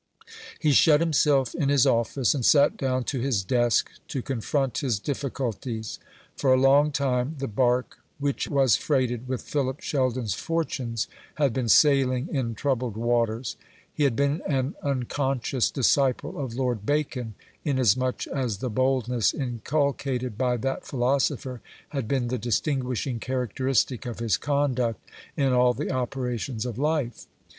He shut himself in his office, and sat down to his desk to confront his difficulties. For a long time the bark which was freighted with Philip Sheldon's fortunes had been sailing in troubled waters. He had been an unconscious disciple of Lord Bacon, inasmuch as the boldness inculcated by that philosopher had been the distinguishing characteristic of his conduct in all the operations of life.